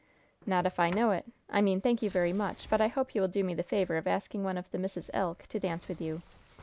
"Not if I know it! I mean, thank you very much, but I hope you will do me the favor of asking one of the Misses Elk to dance with you.